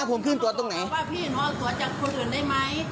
ผมขึ้นตัวตรงไหนว่าพี่หนูเอาตัวจากคนอื่นได้ไหม